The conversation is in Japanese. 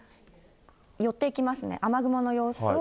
寄っていきますね、雨雲の様子を。